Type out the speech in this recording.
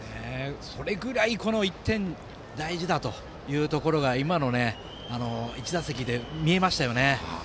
それぐらいこの１点が大事だというのが今の１打席で見えましたね。